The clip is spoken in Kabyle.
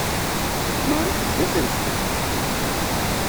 Marie tebda treffu.